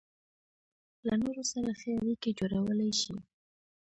له نورو سره ښې اړيکې جوړولای شي.